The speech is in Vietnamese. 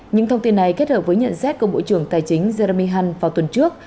những thông tin này kết hợp với nhận xét của bộ trưởng tài chính jeremy hunt vào tuần trước